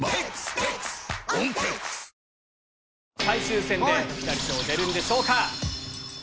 最終戦でピタリ賞出るんでしょうか？